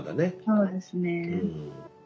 そうですね。